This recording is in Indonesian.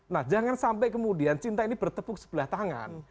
nah jangan sampai kemudian cinta ini bertepuk sebelah tangan